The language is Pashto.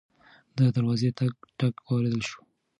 د دروازې ټک ټک واورېدل شو.